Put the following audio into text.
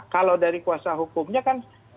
kalau dari kuasa hukumnya kan bisa menelusuri